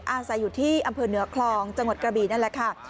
อาศัยอยู่ที่อำเภอเหนือคลองจังหวัดกระบีนั่นแหละค่ะ